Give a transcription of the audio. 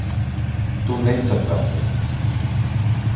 Tu nesaprati.